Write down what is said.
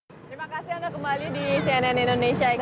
terima kasih anda kembali di cnn indonesia